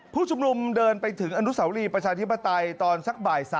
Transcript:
ผู้ชุมนุมเดินไปถึงอนุสาวรีประชาธิปไตยตอนสักบ่าย๓